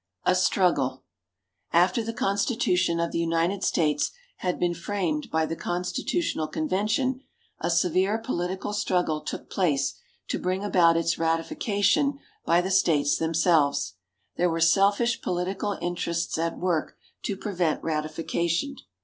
A STRUGGLE After the Constitution of the United States had been framed by the Constitutional Convention, a severe political struggle took place to bring about its ratification by the States themselves. There were selfish political interests at work to prevent ratification.